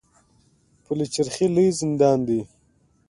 پل چرخي لوی زندان دی